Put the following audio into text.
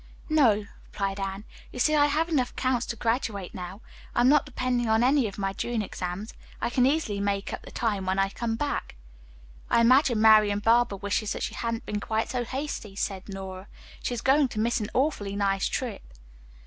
"No," replied Anne. "You see, I have enough counts to graduate now. I'm not depending on any of my June exams. I can easily make up the time when I come back." "I imagine Marian Barber wishes that she hadn't been quite so hasty," said Nora. "She is going to miss an awfully nice trip."